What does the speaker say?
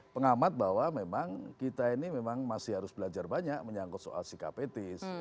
pengamat bahwa memang kita ini memang masih harus belajar banyak menyangkut soal sikap etis